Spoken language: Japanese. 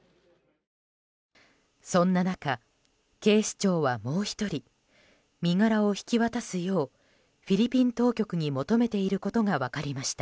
そんな中、警視庁はもう１人身柄を引き渡すようフィリピン当局に求めていることが分かりました。